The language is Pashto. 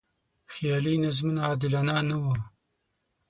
خیالي نظمونه عادلانه نه و.